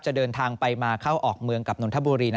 เดินทางไปมาเข้าออกเมืองกับนนทบุรี